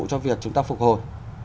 cho việc chúng ta phục hồi